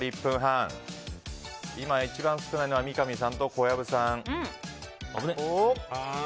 今一番少ないのは三上さんと小籔さん。